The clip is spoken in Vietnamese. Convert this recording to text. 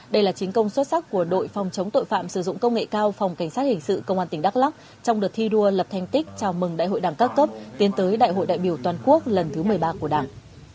đây là chiến công xuất sắc của đội phòng chống tội phạm sử dụng công nghệ cao phòng cảnh sát hình sự công an tỉnh đắk lắc trong đợt thi đua lập thanh tích chào mừng đại hội đảng các cấp tiến tới đại hội đại biểu toàn quốc lần thứ một mươi ba của đảng